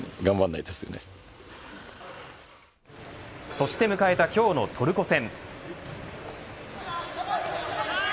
そして迎えた今日のトルコ戦。